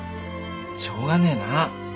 しょうがねえな。